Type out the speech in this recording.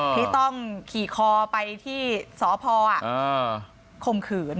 ที่ต้องขี่คอไปที่สภศรีสเกตคมขืน